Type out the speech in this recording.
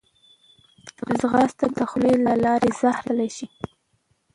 ځغاسته د خولې له لارې زهر ایستلی شي